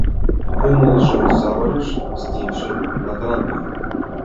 Кумылжым савырыш стихше Батракын